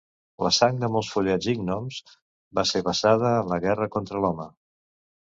La sang de molts follets i gnoms va ser vessada en la guerra contra l'home.